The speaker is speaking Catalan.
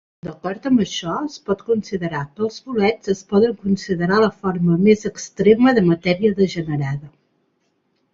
D'acord amb això, es pot considerar que els bolets es poden considerar la forma més extrema de matèria degenerada.